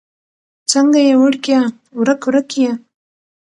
څنګه يې وړکيه؛ ورک ورک يې؟